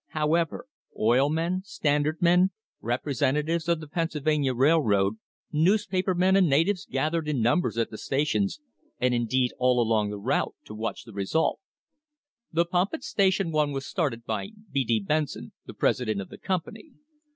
However, oil men, Standard men, representatives of the Pennsylvania Railroad, newspaper men and natives gath ered in numbers at the stations, and indeed all along the route, to watch the result. The pump at station one was started by B. D. Benson, the president of the company.